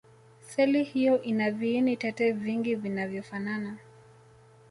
seli hiyo ina viini tete vingi vinavyofanana